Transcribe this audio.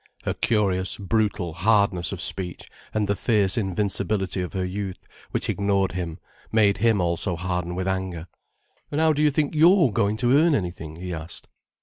Her curious, brutal hardness of speech, and the fierce invincibility of her youth, which ignored him, made him also harden with anger. "And how do you think you're going to earn anything?" he asked.